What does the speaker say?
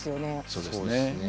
そうですね。